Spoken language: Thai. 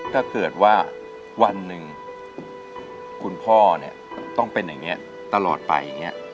ถ้าเกิดว่าวันหนึ่งคุณพ่อเนี่ยต้องเป็นอย่างนี้ตลอดไปอย่างนี้